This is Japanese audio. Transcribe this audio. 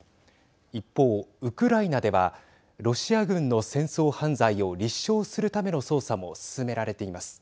一方、ウクライナではロシア軍の戦争犯罪を立証するための捜査も進められています。